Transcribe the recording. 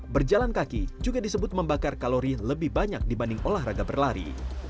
berjalan kaki juga disebut membakar kalori lebih banyak dibanding olahraga berlari